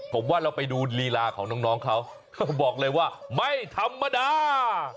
ผมว่าเราไปดูลีลาของน้องเขาเขาบอกเลยว่าไม่ธรรมดา